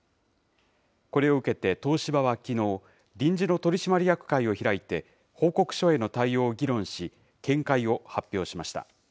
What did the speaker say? これを受けて東芝はきのう、臨時の取締役会を開いて、報告書への対応を議論し、見解を発表しました。